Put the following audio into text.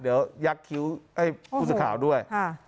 เดี๋ยวยักษ์คิ้วให้ผู้สื่อข่าวด้วย